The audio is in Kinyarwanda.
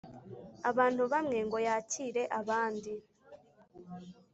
abantu bamwe ngo yakire abandi.